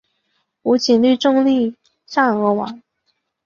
吴瑾率众力战而亡。